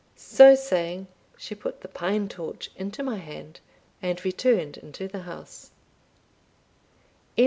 So saying, she put the pine torch into my hand, and returned into the house, CHAPTER TWELFTH.